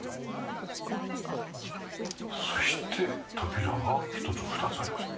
そして扉が１つ２つありますね。